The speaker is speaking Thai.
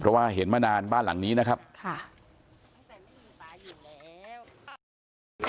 เพราะว่าเห็นมานานบ้านหลังนี้นะครับค่ะ